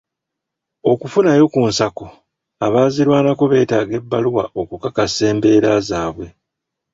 Okufunayo ku nsako, abaazirwanako beetaaga ebbaluwa okukakasa embeera zaabwe.